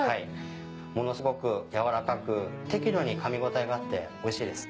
ものすごく軟らかく適度に噛み応えがあっておいしいです。